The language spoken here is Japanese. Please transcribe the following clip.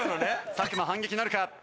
作間反撃なるか？